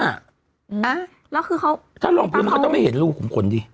อ่ะแล้วคือเขาถ้าลงพื้นมันก็ต้องไม่เห็นรูขุมขนดิ